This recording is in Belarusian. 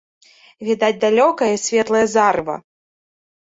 Відаць далёкае і светлае зарыва.